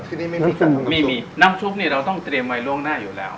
ที่นี่ไม่มีน้ำซุปเนี่ยเราต้องเตรียมไว้ล่วงหน้าอยู่แล้ว